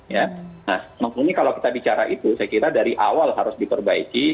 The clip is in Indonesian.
nah makanya kalau kita bicara itu saya kira dari awal harus diperbaiki